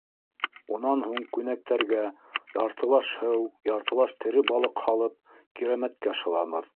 Унан һуң күнәктәргә яртылаш һыу, яртылаш тере балыҡ һалып Кирәмәткә шылабыҙ.